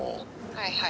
はいはい。